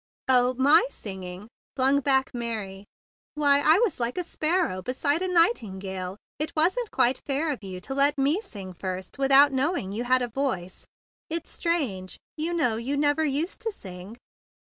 "Oh! My singing!" flung back Mary. "Why, I was like a sparrow beside a nightingale. It wasn't quite fair of you to let me sing first without knowing you had a voice. It's strange. You know you never used to sing."